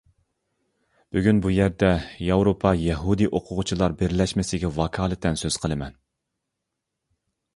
بۈگۈن بۇ يەردە ياۋروپا يەھۇدىي ئوقۇغۇچىلار بىرلەشمىسىگە ۋاكالىتەن سۆز قىلىمەن.